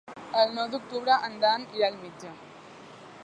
El nou d'octubre en Dan irà al metge.